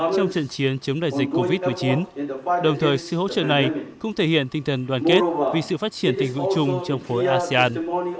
trong trận chiến chống đại dịch covid một mươi chín đồng thời sự hỗ trợ này cũng thể hiện tinh thần đoàn kết vì sự phát triển tình vụ chung trong khối asean